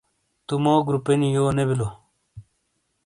تو مو گروپی نی یو نی بیلو